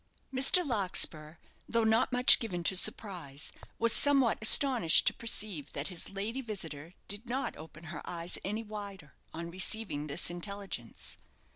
Mr. Larkspur, though not much given to surprise, was somewhat astonished to perceive that his lady visitor did not open her eyes any wider on receiving this intelligence.